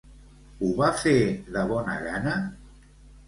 Ho va fer de bona gana?